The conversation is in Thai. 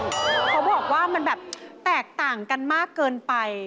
เขาบอกว่ามันแบบแตกต่างกันมากเกินไป